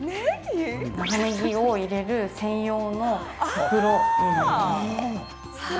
長ねぎを入れる専用の袋になります。